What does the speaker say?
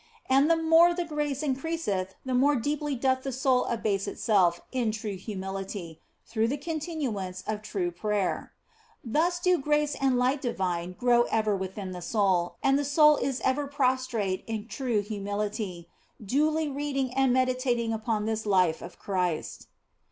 And the more the grace increaseth the more deeply doth the soul abase itself in true humility through the continuance of true prayer. Thus do grace and light divine grow ever within the soul, and the soul is ever prostrate in true humility, duly reading and meditating upon this Life of Christ.